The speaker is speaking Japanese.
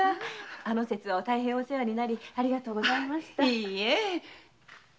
あの節は大変お世話になりありがとうございました。